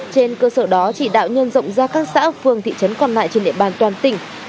trên cơ sở đó chỉ đạo nhân rộng ra các xã phường thị trấn còn lại trên địa bàn toàn tỉnh